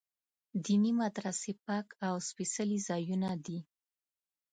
دیني مدرسې پاک او سپېڅلي ځایونه دي.